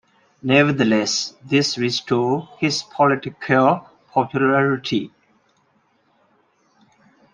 Nevertheless, this restored his political popularity.